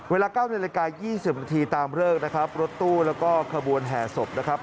เวลา๙นาฬิกา๒๐นาทีตามเลิกนะครับรถตู้แล้วก็ขบวนแห่ศพนะครับ